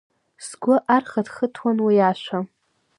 Сгәы архыҭхыҭуан уи ашәа…